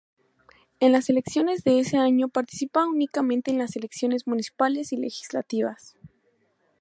En las elecciones de ese año participa únicamente en las elecciones municipales y legislativas.